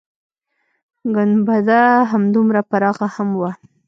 گنبده همدومره پراخه هم وه.